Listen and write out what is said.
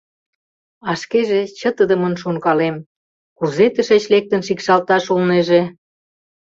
А шкеже чытыдымын шонкалем: кузе тышеч лектын шикшалташ улнеже?